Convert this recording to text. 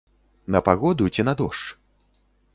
На пагоду ці на дождж?